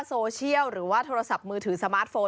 โซเชียลหรือว่าโทรศัพท์มือถือสมาร์ทโฟน